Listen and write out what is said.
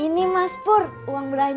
salah satu saya berhasil